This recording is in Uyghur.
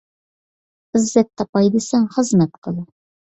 ئىززەت تاپاي دىسەڭ خىزمەت قىل.